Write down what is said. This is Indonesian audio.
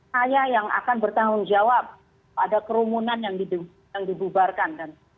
saya yang akan bertanggung jawab pada kerumunan yang dibubarkan